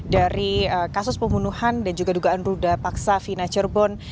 dari kasus pembunuhan dan juga dugaan ruda paksa fina cerbon